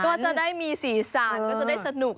ก็จะได้มีสีสันก็จะได้สนุก